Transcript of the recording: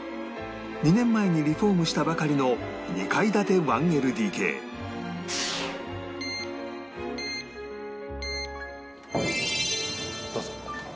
２年前にリフォームしたばかりの２階建て １ＬＤＫどうぞ。